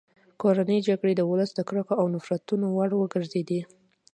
کورنۍ جګړې د ولس د کرکو او نفرتونو وړ وګرځېدې.